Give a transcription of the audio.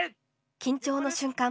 緊張の瞬間。